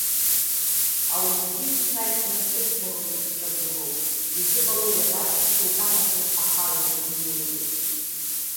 Ауаҩ бзиа еснагь насыԥдароуп дызҿагылоу, изыҟалои абас, шьоукых анасыԥ ахала ирызнеиуеитеи.